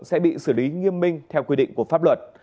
sẽ bị xử lý nghiêm minh theo quy định của pháp luật